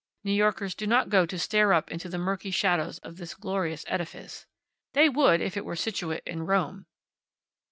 New Yorkers do not go to stare up into the murky shadows of this glorious edifice. They would if it were situate in Rome.